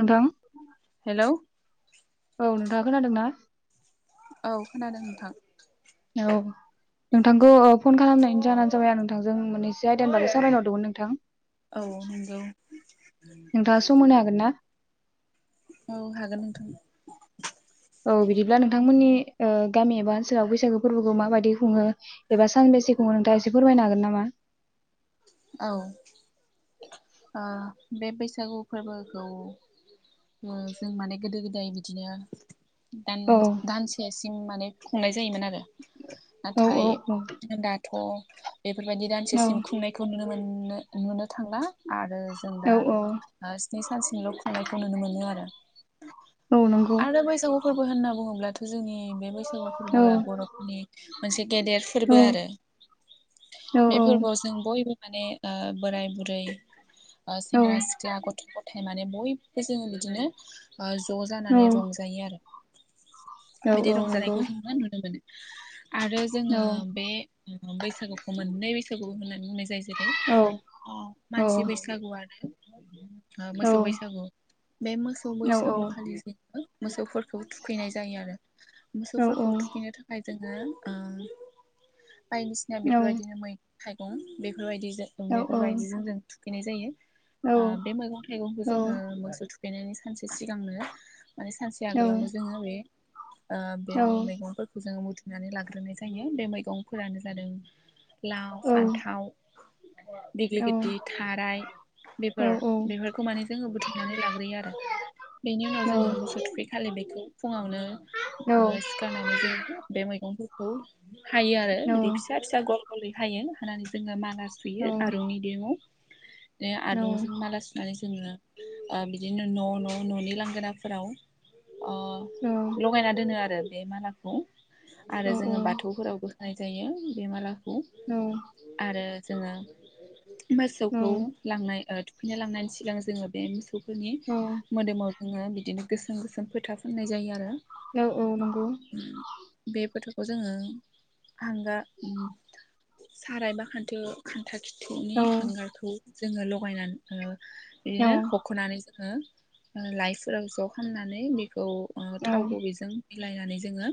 नोंथां। हेल'। औ नोंथाङा खोनादों ना? औ खोनादों नोंथां। औ। नोंथांखौ ओ फ'न खालामनायनि जाहोनानो जाबाय आं नोंथांजों मोननैसो आयदानि बागै सावरायनो हरदोंमोन नोंथां। औ नंगौ। नोंथाङा सम होनो हागोन ना? औ हागोन नोंथां। औ बिदिब्ला नोंथांमोननि ओ गामि एबा ओनसोलाव बैसागु फोरबोखौ माबायदि खुङो? एबा सानबेसेखौ खुङो नोंथाङा एसे फोरमायनो हागोन नामा? औ ओ बे बैसागु फोरबोखौ [unintelligible] जों माने गोदो गोदाय बिदिनो दान औ दानसेसिम माने खुंनाय जायोमोन आरो औ औ नाथाय दाथ थ' बेफोरबायदि औ दानसेसिम खुंनायखौ नुनो मोननो नुनो थांला आरो जों औ दा औ ओ स्नि सानसिमल' खुंनायखौ नुनो मोनो आरो औ नंगौ आरो बैसागु फोरबो होनना बुङोब्लाथ' जोंनि बे बैसागु औ फोरबोआ बर' नि मोनसे गेदेर औ फोरबो आरो औ बे फोरबोआव जों बय यै माने ओ बोराय बुरै ओ औ सेंग्रा सिख्ला गथ' ग थाइ माने बयबो जोङो बिदिनो ओ ज' औ जानानै रंजायो आरो औ बिदि औ नंगौ रंजानायखौ जोङो नुनो मोनो। आरो जोङो औ बे बैसागुखौ मोननै बैसागु होननानै बुंनाय जायो जेरै औ ने ओ औ मानसि बैसागुआनो ओ मोसौ बैसागु बे मोसौ औ बैसागु खालि जोङो मोसौफोरखौ थुखैनाय जायो आरो मोसौफोरखौ थुखैनो थाख खाय जोङो ओम बायदिसिना बेफोरबायदिनो मै थाइगं बेफोर बायदिजों बेफोरबायदिजों जों थुखैनाय जायो। औ ओ बे मैगं थाइगंखौ औ औ जोङो मोसौ थुखैनायनि सानसे सिगांनो माने सानसे औ आगोलावनो जोङो बे ओ बे मैगंफो जोङो मुदुनानै लाग्रोनाय जायो बे मैगंफोरानो जादों लाव फान्थाव दिग्लिति थाराय बेफोर बेफोर खौ माने जोङो बुथुमनानै लाग्रोयो आरो बेनि उनाव जोङो मोसौ थुखै खालि बेखौ फुङावनो ओ सिखारनानै जोङो बे मैगंफोरखौ हायो आरो बिदि फिसा फिस सा गल गलै हायो हानानै जोङो माला सुयो आरुंनि दिरुङाव [unintelligible] आरुंजों माला सु आरो जोङो ओ बिदिनो न' न' न'नि लांगोनाफोराव अ औ लगायना दोनो आरो बे मालाखौ आरो जोङो बाथौफोरावबो होननाय जायो बे मालाखौ औ आरो जोङो मोसौखौ लांनाय ओ थुखैनो लांनायनि सिगां जोङो बे मोसौफोरनि मोदोमाव जोङो बिदिनो गोसोम गोसोम फोथा फोननाय जायो आरो औ औ नंगौ। उम बे फोथाखौ जोङो हांगा उम साराय एबा खान्थो खान्था खिथौनि हांगारखौ जोङो लगायनान ओ बिदिनो हख'नानै जोङो ओ लाइफोराव ज' खामनानै बिखौ ओ थाव गुबैजों मिलायनानै जोङो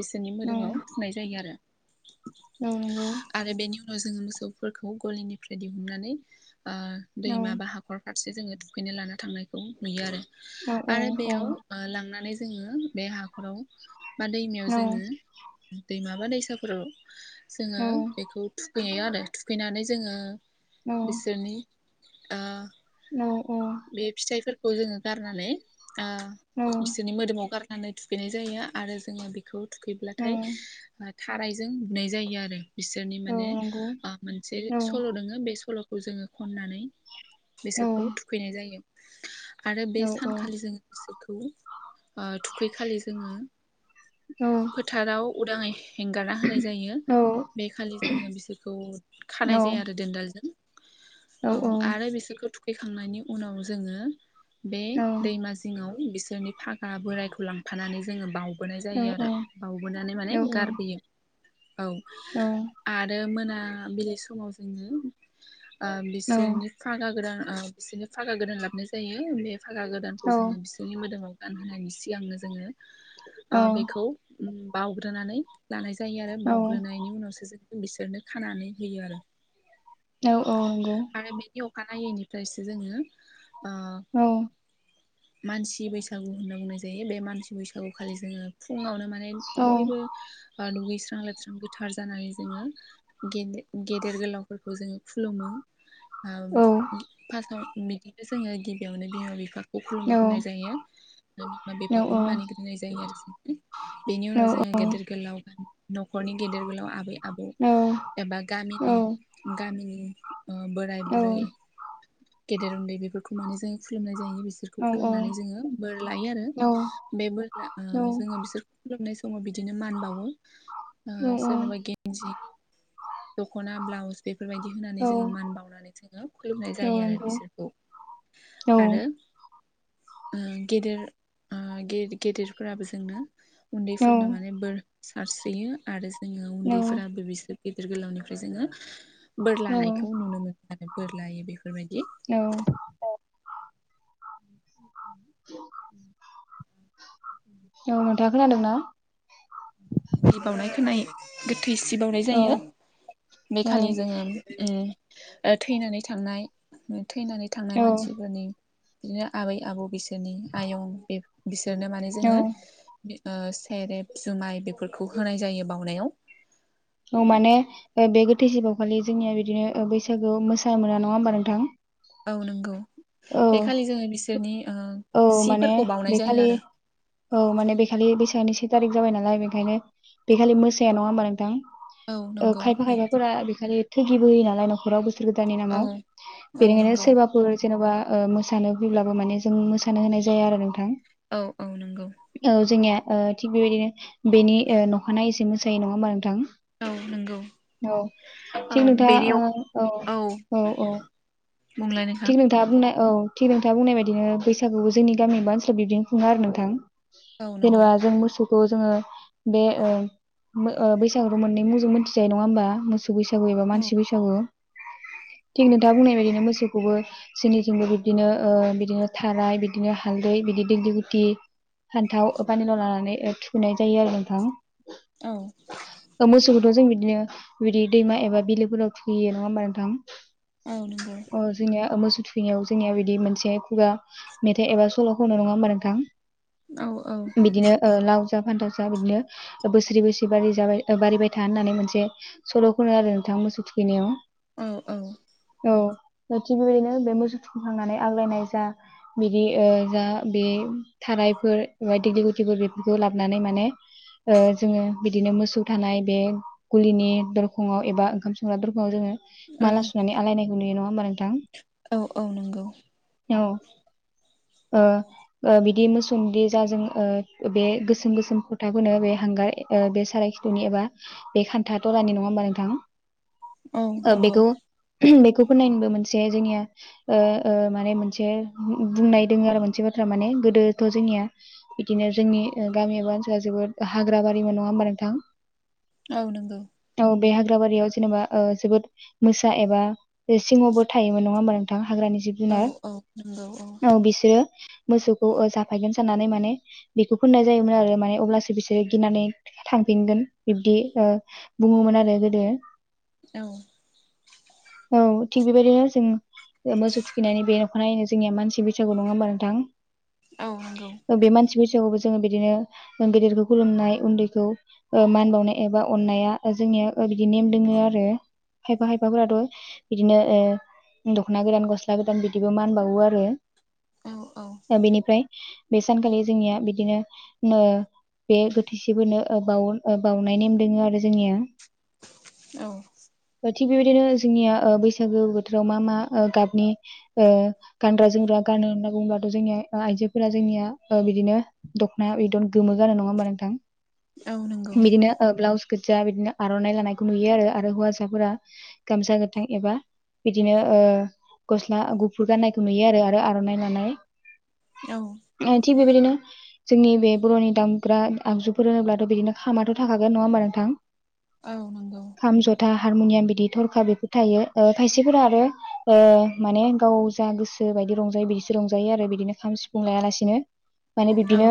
बिसोरनि मोदोमाव फुनाय जायो आरो नोंगौ। आरो बेनि उनाव जोङो मोसौफोरखौ गलिनिफ्राय दिहुननानै ओ दैमा बा हाख खर फारसे जोङो दुखैनो लाना थांनायखौ नुयो आरो आरो बेयाव ओ लांनानै जोङो बे हाखराव बा दैमायाव जोङो दैमा बा दैसाफोराव जोङो बेखौ थुखैयो आरो थुखैनानै जोङो बिसोरनि ओ औ औ बे फिथाइफोरखौ जोङो गारनानै ओ बिसोरनि मोदोमाव गार नानै थुखैनाय जायो आरो जोङो बेखौ थुखैब्लाथाय थारायजों बुनाय जायो आरो बिसोरनि माने ओ मोनसे सल' दङो बे सल' खौ जोङो खन्नानै बेसोरखौ थुखैनाय जायो। आरो बे सानखालि जोङो बिसोरखौ ओ थुखैखालि जोङो फोथाराव उदाङै हेंगारना होनाय जायो। बे खालि जोङो बिसोरखौ खानाय जाया आरो दोनदालजों। औ आरो बिसोरखौ थुखैखांनायनि उनाव जोङो बे दैमा जिङाव बिसोरनि फागा बोरायखौ लांफानानै जोङो बाव बोनाय जायो आरो बाउबोनानै माने गारबोयो औ। आरो मोनाबिलि समाव जोङो ओ औ बिसोरनि फागा गोदान ओ बिसोरनो फागा गोदान लाबनाय जायो बे फागा औ गोदानखौ जोङो बिसोरनि मोदोमाव गानहोनायनि सिगांनो जोङो ओ बेखौ उम बावग्रोनानै लानाय जायो आरो औ बाव ग्रोनायनि उनावसो जों बिसोरनो खानानै होयो आरो। औ औ नंगौ। आरो बेनि अखानायैनिफ्रायसो जोङो ओ औ मानसि बैसागु होनना बुंनाय जायो बे मानसि बैसागु खालि जोङो फुङावनो माने औ बयबो ओ दुगैस्रां स्रां गोथार जानानै जोङोे गेदे-गेदेर गोलावफोरखौ जोङो खुलुमो। ओ औ फार्स्टआव बिदिनो जोङो गिबियावनो बिमा बिफाखौ औ खुलुमगोरनाय जायो। आरो बिमा औ बिफाखौनो मानिग्रोनाय जायो आरो जों बेनि औ उनाव जोङो गेदेर गोलाव खर गेदेर गोलाव आबै आबौ एबा औ गामिनि गामिनि ओ बोराय औ बुरै गेदेर उन्दै बेफोरखौ माने जों खुलुमनाय जायो बिसोरखौ नंगौ औ खुलुमनानै जोङो बोर लायो आरो। औ बे बोर ला ओ जोङो बिसोरखौ खुलुमनाय समाव बिदिनो मान बावो। ओ सोरनोबा गेन्जि, दखना, ब्लाउस बेफोरबायदि होनानै जोङो मान बावनानै जोङो खुलुमनाय जायो आरो बिसोरखौ। औ आरो ओ गेदेर ओ गे-गेदेरफोराबो जोंनो उन्दैफोरनो माने नोंथाङा बोर सारस्रियो आरो जोङो उन्दैफोराबो बिसोर गिदिर गोलावनिफ्राय जोङो बोर लानायखौ नुनो मोनो आरो बोर लायो बेफोरबायदि। औ उमम औ नोंथांआ खोनादों ना? गिब बावनाय खोनायो गोथैसि बावनाय औ जायो बे खालि जोङो ओ थैनानै थांनाय थैनानै औ थांनाय मानसिफोरनि बिदिनो आबै आबौ बिसोरनि आयं बे बिसोरनो माने औ जोङो ओ सेरेब जुमाय बेफोरखौ होनाय जायो बावनायाव। औ माने ओ बे गोथैसि बावखालि जोंनिया बिदिनो ओ बैसागोआव मोसानो मोना नङा होमबा नोंथां? औ नंगौ औ इ खालि जोङो बिसोरनि ओ औ माने सिफोरखौ बे बावनाय खालि जायो आरो। औ माने बेखालि बैसागनि से थारिख जाबाय नालाय बेखायनो बेखालि मोसाया नङा होमबा नोंथां? औ ओ नंगौ खायफा बे खायफाफोरा बेखालि थैगिबो होयो नालाय न'खराव बो सोर गोदाननि औ नामाव औ बेनिखायनो नंगौ सोरबा फोर जेन'बा ओ मोसानो बुंब्लाबो माने जों मोसानो होनाय जाया आरो नोंथां। औ औ नंगौ। औ जोंनिया ओ थिग बेबायदिनो बेनि ओ न'खानायै सो मोसायो नङा होमबा नोंथां? औ नंगौ औ औ थिग नोंथाङा बेनि अख ओ औ बुंलाय नोंथां थिक नोंथांआ बुंनाय औ थिग नोंथाङा बुंनाय बादिनो बैसागुखौ जोंनि गामि एबा ओनसोलाव बिबदिनो खुङो आरो नोंथां। औ नंगौ जेनबा जों मोसौ खौ जोङो बे ओ मो ओ बैसागु मोननै मुंजों मोनथिजायो नङा होमबा मोस सौ बैसागु एबा औ मानसि बैसागु थिग नोंथाङा बुंनाय बायदिनो मोसौखौबो सोरनिथिंबो बिबदिनो ओ बिदिनो थाराय बिदिनो हालदै बिदि दिगलिथि फान्थाव ओ फानिलाव लानानै ओ थुखैनाय जायो आरो नोंथां। औ ओ मोसौखौथ' जों बिदिनो बिदि दैमा एबा बिलोफोराव थुखैयो नङा होमबा नोंथां? औ नंगौ अ जोंनिया मोसौ थुखौनायाव जोंनिया बिदि मोनसे खुगा मेथाइ एबा सल' खनो नङा होमबा नोंथां औ औ बिदिनो लाव जा फान्थाव जा बिदिनो बोसोरै बोसोरै जाबाय ओ बारिबाय था होननानै मोनसे सल' खनो आरो नोंथां मोसौ थुखैनायाव। औ औ औ ओ थिग बेबायदिनो बे मोसौ थुखैखांनानै आग्लायनाय जा बिदि ओ जा बे थारायफोर एबा दिग्लि गुथिफोर बेफोरखौ लाबोनानै माने ओ जोङो बिदिनो मोसौ थानाय बे गुलिनि दरखंआव एबा ओंखाम संग्रा दरखंआव जोङो औ माला सुनानै आलायनायखौ नुयो नङा होनबा [unintelligible] औ औ नंगौ औ ओ ओ बिदि मोसौ बिदि जा जों ओ बे गोसोम गोसोम फोथा फोनो बे हांगार बे सारायखिथुनि एबा बे खान्था थरानि नङा होमबा नोंथां? औ ओ नंगौ बेखौ [unintelligible] बेखौ फोननायनिबो मोनसे जोंनिया ओ ओ माने मोनसे बुंनाय दोङो आरो मोनसे बाथ्रा माने गोदोथ' जोंनिया बिदिनो जोंनि ओ गामि एबा ओनसोला जोबोद हाग्रा बारिमोन नङा होमबा नोंथां? औ नंगौ औ बे हाग्रा बारियाव जेनेबा जोबोद मोसा एबा बे सिंह [unintelligible] थायोमोन नङा होमबा नोंथां हाग्रानि जिब औ जुनार औ नंगौ औ बिसोरो मोसौखौ जाफायगोन साननानै माने बेखौ फोननाय जायोमोन आरो माने अब्लासो बिसोरो गिनानै थांफिनगोन बिब्दि ओ बुङोमोन आरो गोदो औ औ थिग बेबायदिनो जों मोसौ थुखैनानै बे [unintelligible] जोंनि मानसि बैसागु नङा होनबा नोथां? औ नंगौ बे मानसि बैसागुबो जोङो बिदिनो गेदेरखौ खुलुमनाय उन्दैखौ ओ मान बावनाय एबा अन्नाया जोंनिया ओ बिदि नेम ओ दोङो आरो खायफा खायफा फोराथ' बिदिनो ओ दख'ना गोदान गस्ला गोदान बिदिबो मानबावो आरो औ औ ओ बेनिफ्राय बे सानखालि जोंनिया बिदिनो [unintelligible] बे गोथैसि फोरनो बाउ ओ बाउनाय नेम दोङो आरो जोंनिया। औ ओ थिग बेबायदिनो जोंनिया बैसागो बोथोराव मा मा ओ गाबनि ओ गानग्रा जोमग्रा ओ गानो होनना बुङोबथ' जोंनिया आइजोफोरा जोंनिया बिदिनो दख'नाया बिदन गोमो गानो नङा होमबा नोंथां औ नंगौ बिदिनो ओ ब्लाउस गोज्जा बिदिनो आर'नाइ लानायखौ नुयो आरो हौवासाफोरा गामसा गोथां एबा बिदिनो ओ गस्ला गुफुर गाननायखौ नुयो आरो आरो आर'नाइ लानाय। औ ओ थिग बेबायदिनो जोंनि बे बर'नि दामग्रा आगजुफोर होनोब्लाथ' बिदिनो खामाथ' थाखागोन नङा होमबा नोंथां? औ नोंगौ। खाम जथा हारमुनियाम बिदि थरखा बेफोर थायो ओ खायसेफोरा आरो ओ माने गाव जा गोसो बायदि रंजायो बिदिसो रंजायो आरो बिदिनो खाम सिफुं लायालासिनो माने औ बिब्दिनो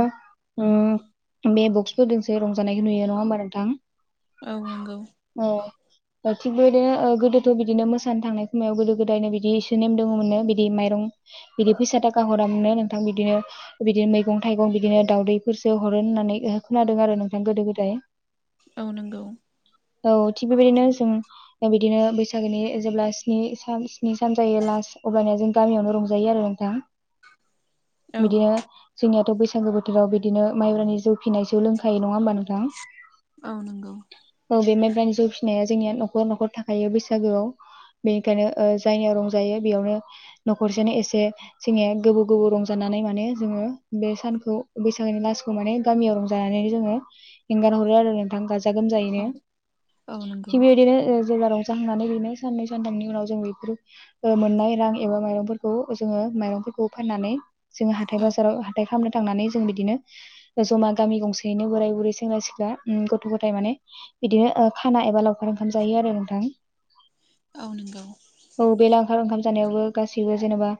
ओ बे बक्सफोर जोंसो रंजानायखौ नुयो नङा होमबा नोंथां। औ नंगौ। औ थिग बेबायदिनो ओ गोदोथ' बिदिनो मोसा सान थांनाय समाव गोदो - गोदायनो बिदि एसे नेम दङमोन नो बिदि माइरं बिदि फैसा थाखा हरा मोननो नोंथां बिदिनो बिदिनो मैगं थाइगं बिदिनो दाउदैफोरसो हरो होननानै खोनादों आरो नोंथां गोदो - गोदाय। औ नंगौ। औ थिग बेबायदिनो जों ओ बिदिनो बैसागोनि जेब्ला [unintelligible] स्नि सान जायो लास्ट अब्लानिया जों गामियावनो रंजायो आरो नोंथा। औ बिदिनो जोंनियाथ' बैसागो बोथोराव बिदिनो माइब्रानि जौ फिनायसो जौ लोंखायो नङा होमबा नोंथां। औ नंगौ। औ बे माइब्रानि जौ फिसिनाया जोंनिया न'खर - न'खर थाखायो बैसागोआव। बेनिखायनो ओ जायनो रंजायो बेयावनो न'खरसेनो एसे जोङो गोबाव गोबाव रंजानानै माने जोङो बे सानखौ बैसागोनि लासखौ माने गामियाव रंजानानैनो जोङो एंगार हरो आरो नोंथां गाजा गाजा - औ गोमजायैनो औ नंगौ थिग बेबायदिनो ओ जेब्ला रंजाखांनानै बेनो साननै सानथामनि उनावजों बेफोर ओ मोननाय रां एबा माइरंफोरखौ जोङो माइरंफोरखौ फाननानै जोङो हाथाय औ बाजाराव हाथाइ खालामनो थांनानै जों बिदिनो जमा गामि गंसेयैनो बोराय - बुरै, सेंग्रा - सिख्ला, उम गथ' - गथाय माने बिदिनो ओ खाना एबा लावखार ओंखाम जायो आरो नोंथां। औ नोंगौ। औ बे लावखार ओंखाम जानायावबो गाससिबो जेनेबा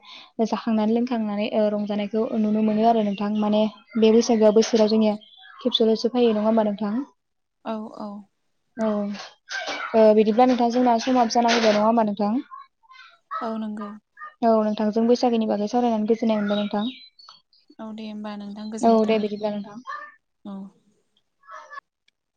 जाखांनानै लोंखांनानै ओ रंजानायखौ नुनो मोनो आरो नोंथां माने बे बैसागोआव बोसोराव जोंनिया खेबसेल'सो फैयो नङा होमबा नोंथां। औ - औ। औ ओ बिदिब्ला नोंथां जोंना समाबो जाना फैबाय नङा होमबा नोंथां। औ नंगौ। औ नोंथां जों बैसागोनि बागै सावरायनानै गोजोननाय मोनबाय नोंथां। औ दे होमबा नोंथां औ गोजोननाय दे थाबाय। बिदिब्ला नोंथां। औ